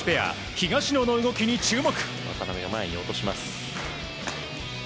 東野の動きに注目。